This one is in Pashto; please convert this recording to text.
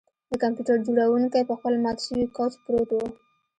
د کمپیوټر جوړونکی په خپل مات شوي کوچ پروت و